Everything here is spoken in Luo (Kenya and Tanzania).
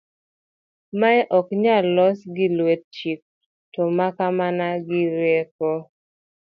mae ok nyal los gi lwet chik to maka mana gi rieko